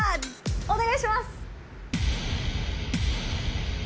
お願いします！